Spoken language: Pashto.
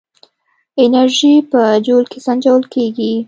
انرژي په جول کې سنجول کېږي.